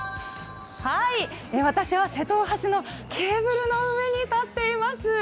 私は瀬戸大橋のケーブルの上に立っています。